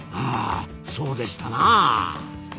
ああそうでしたなあ。